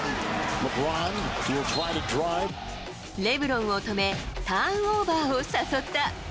レブロンを止め、ターンオーバーを誘った。